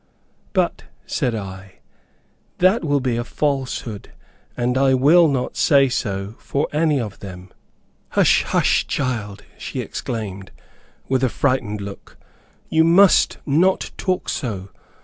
"But," said I, "that will be a falsehood, and I will not say so for any of them." "Hush, hush, child!" she exclaimed, with a frightened look. "You must not talk so.